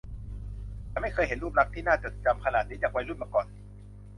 ฉันไม่เคยเห็นรูปลักษณ์ที่น่าจดจำขนาดนี้จากวัยรุ่นมาก่อน